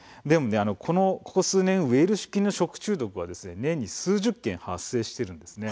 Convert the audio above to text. ここ数年ウエルシュ菌の食中毒は数十件発生しているんです。